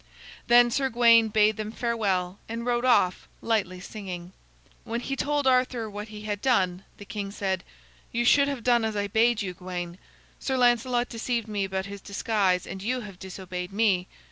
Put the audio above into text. Then Sir Gawain bade them farewell and rode off, lightly singing. When he told Arthur what he had done, the king said: "You should have done as I bade you, Gawain. Sir Lancelot deceived me about his disguise, and you have disobeyed me.